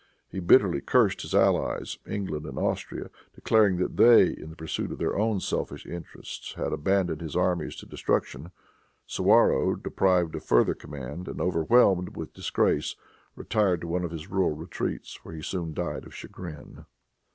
He bitterly cursed his allies, England and Austria, declaring that they, in the pursuit of their own selfish interests, had abandoned his armies to destruction. Suwarrow, deprived of further command, and overwhelmed with disgrace, retired to one of his rural retreats where he soon died of chagrin.